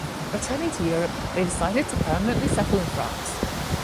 Returning to Europe, they decided to permanently settle in France.